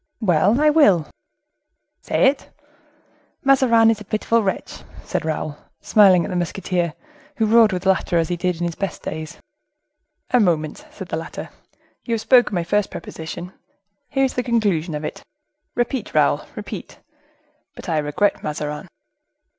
"Well, I will." "Say it!" "Mazarin was a pitiful wretch," said Raoul, smiling at the musketeer, who roared with laughter, as in his best days. "A moment," said the latter; "you have spoken my first proposition, here is the conclusion of it,—repeat, Raoul, repeat: 'But I regret Mazarin.